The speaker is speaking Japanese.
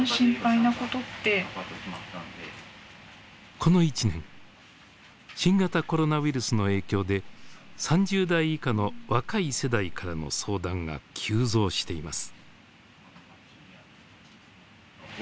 この１年新型コロナウイルスの影響で３０代以下の若い世代からの相談が急増しています。